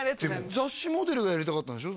雑誌モデルがやりたかったんでしょ？